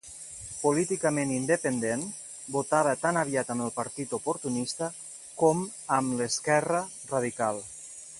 Políticament independent, votava tan aviat amb el partit oportunista com amb l'esquerra radical.